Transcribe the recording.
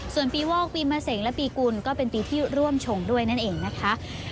ส่วนปีวอกปีมะเสงและปีกุลก็เป็นปีที่ร่วมชงด้วยนั่นเองนะคะ